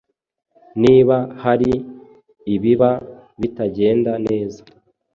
niba hari ibiba bitagenda neza